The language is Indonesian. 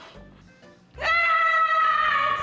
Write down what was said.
eh kenapa itu rambut